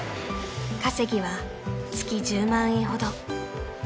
［稼ぎは月１０万円ほど］